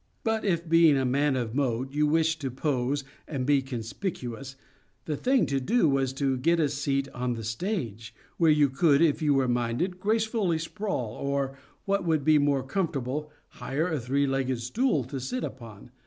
But if, being a man of mode, you wished to pose and be conspicuous, the thing to do was to get a seat on the stage, where you could, if you were minded, gracefully sprawl, or, what would be more comfortable, hire a three legged stool to sit upon.